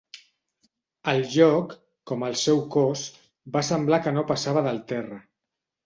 El joc, com el seu cos, va semblar que no passava del terra.